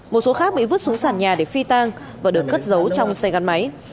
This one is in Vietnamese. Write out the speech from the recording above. một số khác bị vứt xuống sàn nhà để phi tang và được cất giấu trong xe gắn máy